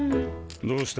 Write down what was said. どうした？